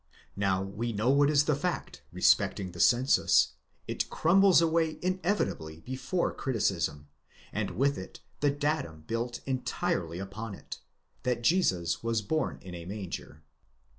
Now we know what is the fact respect ing the census ; it crumbles away inevitably before criticism, and with it the datum built entirely upon it, that Jesus was born ina manger.